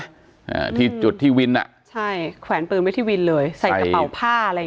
อ่าที่จุดที่วินอ่ะใช่แขวนปืนไว้ที่วินเลยใส่กระเป๋าผ้าอะไรอย่าง